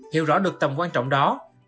hiểu rõ được tầm quan trọng đó